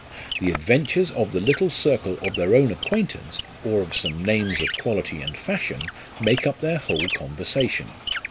The adventures of the little circle of their own acquaintance or of some names of quality and fashion make up their whole conversation.